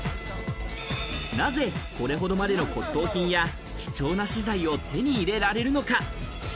なぜこれほどまでの骨董品や貴重な資材を手に入れられるのか。